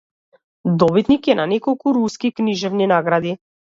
Добитник е на неколку руски книжевни награди.